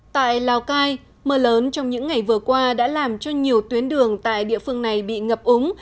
tại lào cai mưa lớn trong những ngày vừa qua đã làm cho nhiều tuyến đường tại địa phương này bị ngập úng